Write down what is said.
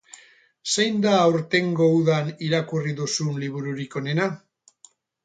Zein da aurtengo udan irakurri duzun libururik onena?